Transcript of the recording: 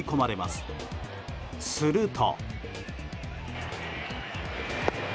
すると。